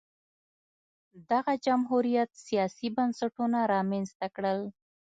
دغه جمهوریت سیاسي بنسټونه رامنځته کړل